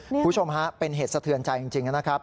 คุณผู้ชมฮะเป็นเหตุสะเทือนใจจริงนะครับ